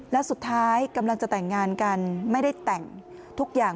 แล้วสุดท้ายกำลังจะแต่งงานกันไม่ได้แต่งทุกอย่าง